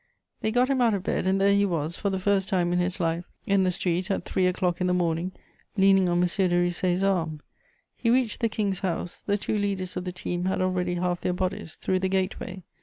They got him out of bed, and there he was, for the first time in his life, in the street at three o'clock in the morning, leaning on M. de Ricé's arm. He reached the King's house; the two leaders of the team had already half their bodies through the gate way.